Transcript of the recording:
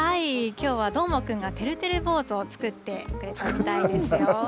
きょうはどーもくんがてるてる坊主を作ってくれたみたいですよ。